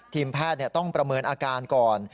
ทีมแพทย์ต้องประเมินอาการก่อน